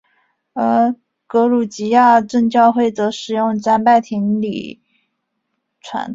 而格鲁吉亚正教会则使用拜占庭礼传统。